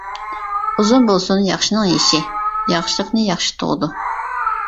ئۇزۇن بولسۇن ياخشىنىڭ يېشى، ياخشىلىقنى ياخشى تۇغىدۇ.